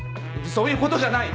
そういうことじゃない！